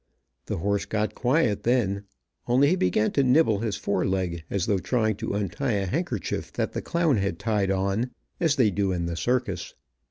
The horse got quiet then, only he began to nibble his fore leg, as though trying to untie a handkerchief that the clown had tied on, as they do in the circus.